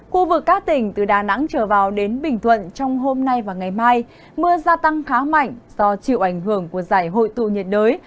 khu vực các tỉnh từ đà nẵng trở vào đến bình thuận trong hôm nay và ngày mai mưa gia tăng khá mạnh do chịu ảnh hưởng của giải hội tụ nhiệt đới